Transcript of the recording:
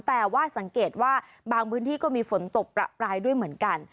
แต่ว่าสังเกตว่าบางพื้นที่ก็มีฝนตกประปรายด้วยเหมือนกัน